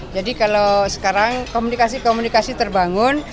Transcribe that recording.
jadi kalau sekarang komunikasi komunikasi terbangun